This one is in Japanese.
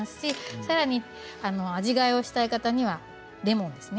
さらに味替えをしたい方にはレモンですね。